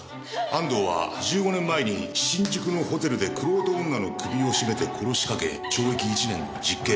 安藤は１５年前に新宿のホテルで玄人女の首を絞めて殺しかけ懲役１年の実刑。